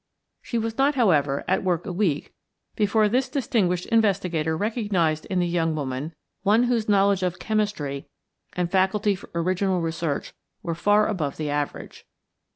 She was not, however, at work a week before this distinguished investigator recognized in the young woman one whose knowledge of chemistry and faculty for original research were far above the average.